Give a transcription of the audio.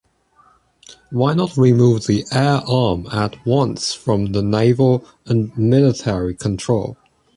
Why not remove the ‘air arm’ at once from ‘the naval and military control’?